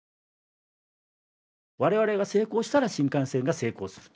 我々が成功したら新幹線が成功すると。